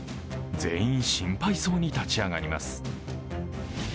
全員心配そうに立ち上がります。